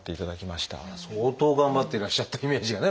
相当頑張っていらっしゃったイメージがね